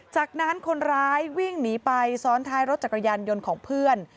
จากนั้นคนร้ายวิ่งหนีไปซ้อนท้ายรถจักรยานยนต์ของเพื่อน